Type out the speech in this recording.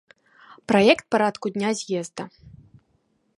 Праект парадку дня з'езда.